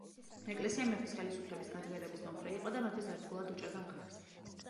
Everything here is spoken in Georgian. ეკლესია მეფის ხელისუფლების გაძლიერების მომხრე იყო და მეფეს ერთგულად უჭერდა მხარს.